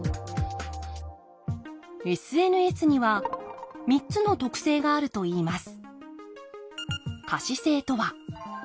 ＳＮＳには３つの特性があるといいます